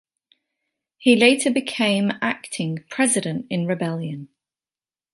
He later became acting President in rebellion.